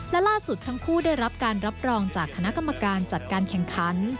และล่าสุดทั้งคู่ได้รับการรับรองจากคณะกรรมการจัดการแข่งขัน